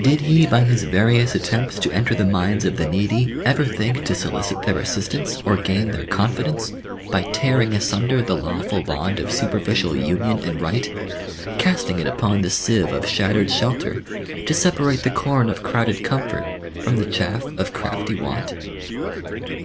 Did he by his various attempts to enter the minds of the needy ever think to solicit their assistance or gain their confidence by tearing asunder the lawful bond of superficial union and right, casting it upon the sieve of shattered shelter to separate the corn of crowded comfort from the chaff of crafty want?